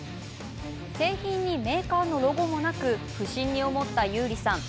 製品にメーカーのロゴもなく不審に思った、ゆうりさん。